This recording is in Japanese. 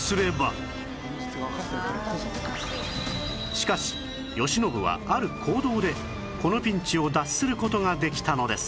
しかし慶喜はある行動でこのピンチを脱する事ができたのです